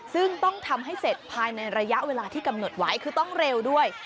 ซึ่งต้องทำให้เสร็จภายในระยะเวลาที่กำหนดไว้คือต้องเร็วด้วย